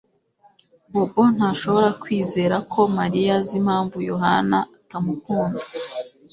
Bobo ntashobora kwizera ko Mariya azi impamvu Yohana atamukunda